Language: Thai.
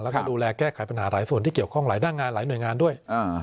แล้วก็ดูแลแก้ไขปัญหาหลายส่วนที่เกี่ยวข้องหลายหน้างานหลายหน่วยงานด้วย